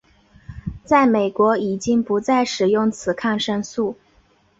在美国已经不再使用此抗生素。